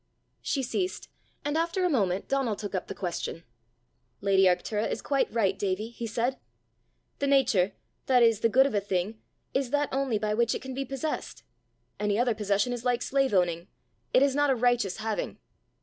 She ceased, and after a moment Donal took up the question. "Lady Arctura is quite right, Davie," he said. "The nature, that is the good of a thing, is that only by which it can be possessed. Any other possession is like slave owning; it is not a righteous having.